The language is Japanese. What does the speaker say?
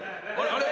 あれ？